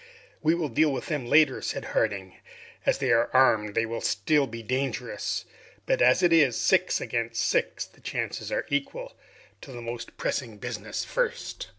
"We will deal with them later," said Harding. "As they are armed, they will still be dangerous; but as it is six against six, the chances are equal. To the most pressing business first."